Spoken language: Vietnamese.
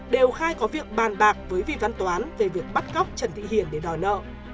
đều khai có việc bàn bạc với vị văn toán về việc bắt cóc trần thị hiền để đòi nợ